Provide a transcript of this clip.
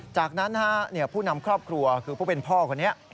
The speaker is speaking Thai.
จากนั้นผู้นำครอบครัวคือผู้เป็นพ่อคนนี้